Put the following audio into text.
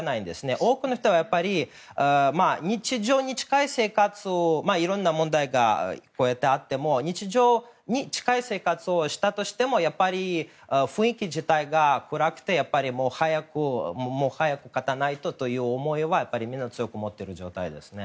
多くの人はいろんな問題があっても日常に近い生活をしたとしてもやっぱり、雰囲気自体が暗くて早く勝たないとという思いは皆さん、強く持っている状態ですね。